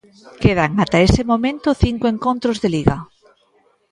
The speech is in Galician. Quedan ata ese momento cinco encontros de Liga.